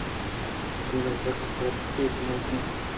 دگہ یک بیرکے جنوک اَت